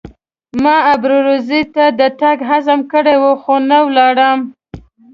ما ابروزي ته د تګ عزم کړی وو خو نه ولاړم.